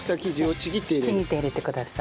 ちぎって入れてください。